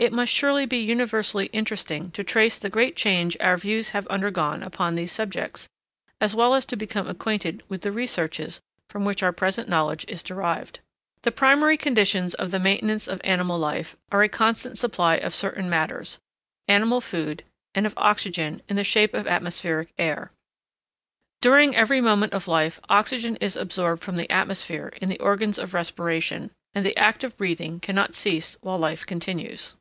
It must surely be universally interesting to trace the great change our views have undergone upon these subjects, as well as to become acquainted with the researches from which our present knowledge is derived. The primary conditions of the maintenance of animal life, are a constant supply of certain matters, animal food, and of oxygen, in the shape of atmospheric air. During every moment of life, oxygen is absorbed from the atmosphere in the organs of respiration, and the act of breathing cannot cease while life continues.